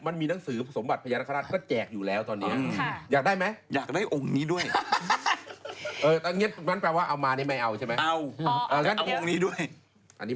เนี่ยคงคืออาจารย์ให้อยู่แล้วไง